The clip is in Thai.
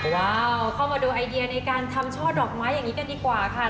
ว้าวเข้ามาดูไอเดียในการทำช่อดอกไม้อย่างนี้กันดีกว่าค่ะ